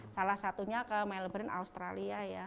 salah satunya ke melbourne australia ya